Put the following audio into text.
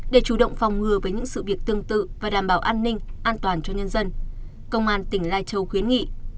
để chủ động phòng ngừa với những sự việc tương tự và đảm bảo an ninh an toàn cho nhân dân công an tỉnh lai châu khuyến nghị